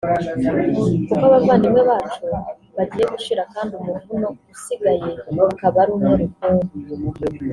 kuko abavandimwe bacu bagiye gushira kandi umuvuno usigaye akaba ari umwe rukumbi